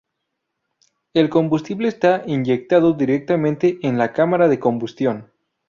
El combustible es inyectado directamente en la cámara de combustión.